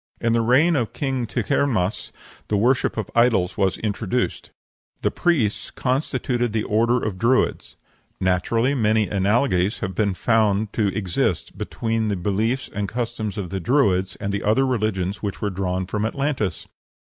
In the reign of King Tighernmas the worship of idols was introduced. The priests constituted the Order of Druids. Naturally many analogies have been found to exist between the beliefs and customs of the Druids and the other religions which were drawn from Atlantis.